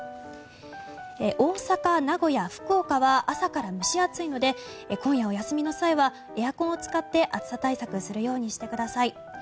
大阪、名古屋、福岡は朝から蒸し暑いので今夜、お休みの際はエアコンを使って暑さ対策をするようにしてください。